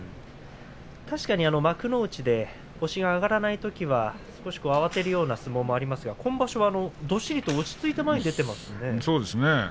確かに幕内で星が挙がらないときは少し慌てるような相撲もありましたが今場所はどっしりと落ち着いて前に出ていますね。